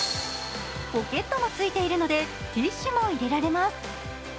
ポケットもついているのでティッシュも入れられます。